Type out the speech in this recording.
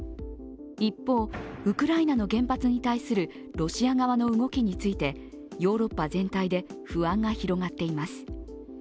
一方、ウクライナの原発に対するロシア側の動きについてヨーロッパ全体で不安が広がっています。